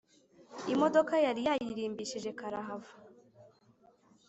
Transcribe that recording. imodoka yari yayiririmbishije karahava.